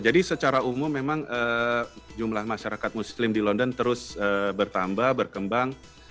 jadi secara umum memang jumlah masyarakat muslim di london terus bertambah berkembang